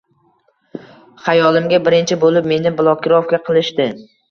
Xayolimga birinchi bo'lib meni blokirovka qilishdi